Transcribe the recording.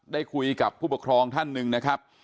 ได้คุยกับผู้ปกครองท่านหนึ่งนะครับ